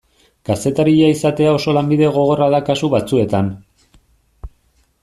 Kazetaria izatea oso lanbide gogorra da kasu batzuetan.